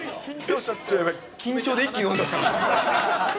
緊張で一気に飲んじゃった。